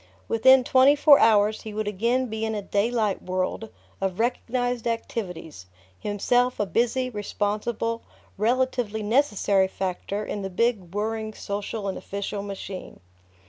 Within twenty four hours he would again be in a daylight world of recognized activities, himself a busy, responsible, relatively necessary factor in the big whirring social and official machine.